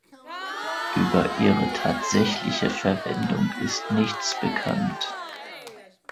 Über ihre tatsächliche Verwendung ist nichts bekannt.